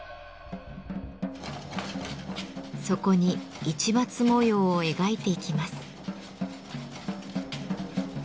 そこに市松模様を描いていきます。